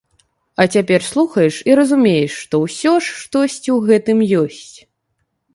А цяпер слухаеш і разумееш, што ўсё ж штосьці ў гэтым ёсць.